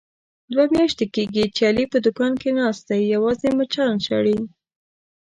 دوه میاشتې کېږي، چې علي په دوکان کې ناست دی یوازې مچان شړي.